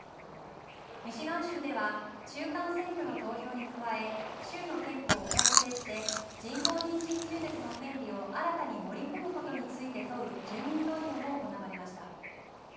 ミシガン州では中間選挙の投票に加え、州の憲法を改正して人工妊娠中絶の権利を新たに盛り込むことについて問う住民投票も行われました。